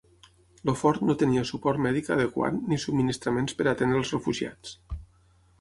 El fort no tenia suport mèdic adequat ni subministraments per atendre els refugiats.